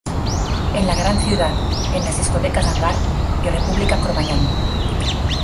En la gran ciudad´" en las Discotecas "Hangar" y "República Cromañón".